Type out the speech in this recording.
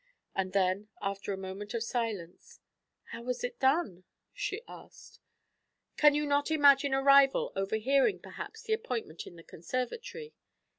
And then, after a moment of silence, 'How was it done?' she asked. 'Can you not imagine a rival overhearing, perhaps, the appointment in the conservatory?